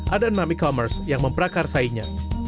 ada enam e commerce yang memperakar saingnya